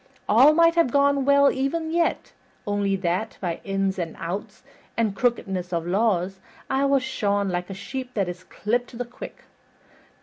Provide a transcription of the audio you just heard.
All might have gone well even yet, only that, by ins and outs and crookedness of laws, I was shorn like a sheep that is clipped to the quick.